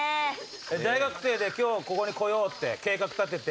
大学生で今日ここに来ようって計画立てて。